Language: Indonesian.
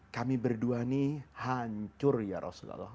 kami berdua ini hancur ya rasulullah